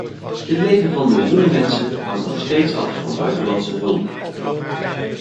Het leven van miljoenen mensen hangt nog steeds af van buitenlandse hulp.